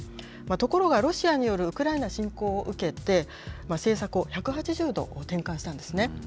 ところが、ロシアによるウクライナ侵攻を受けて、政策を１８０度転換したんですね。